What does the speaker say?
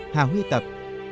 hà huy tập